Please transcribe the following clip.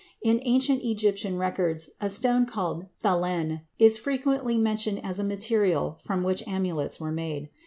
In ancient Egyptian records a stone called thehen is frequently mentioned as a material from which amulets were made.